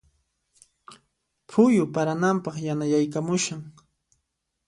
Phuyu parananpaq yanayaykamushan.